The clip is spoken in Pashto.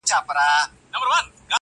• سیاه پوسي ده د مړو ورا ده.